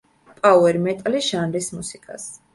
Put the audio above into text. პაუერ მეტალის ჟანრის მუსიკას.